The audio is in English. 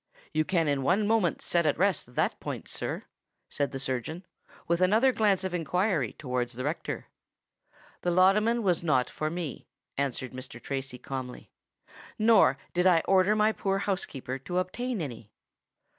"You can in one moment set at rest that point, sir," said the surgeon, with another glance of inquiry towards the rector. "The laudanum was not for me," answered Mr. Tracy, calmly: "nor did I order my poor housekeeper to obtain any."